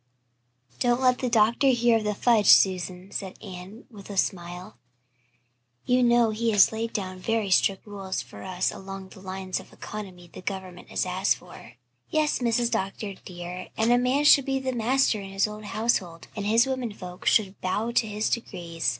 "Don't let the doctor hear of the fudge, Susan," said Anne, with a smile. "You know he has laid down very strict rules for us along the lines of economy the government has asked for." "Yes, Mrs. Dr. dear, and a man should be master in his own household, and his women folk should bow to his decrees.